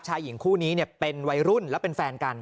ชายหญิงคู่นี้เป็นวัยรุ่นและเป็นแฟนกัน